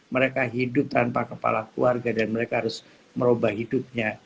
mereka hidup tanpa kepala keluarga dan mereka harus merubah hidupnya